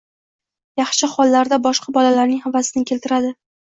yaxshi hollarda – boshqa bolalarning havasini keltiradi